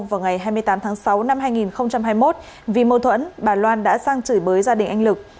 vào ngày hai mươi tám tháng sáu năm hai nghìn hai mươi một vì mâu thuẫn bà loan đã sang chửi bới gia đình anh lực